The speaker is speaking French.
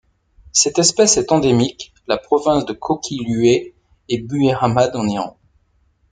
Cette espèce est endémique la province de Kohkiluyeh et Buyer Ahmad en Iran.